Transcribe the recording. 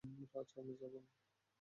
রাজ, আমি যাবো।